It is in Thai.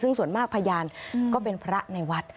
ซึ่งส่วนมากพยานก็เป็นพระในวัด